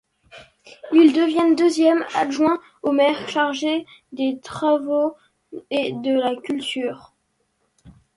Il devient deuxième adjoint au maire, chargé des travaux et de la culture.